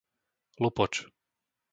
Lupoč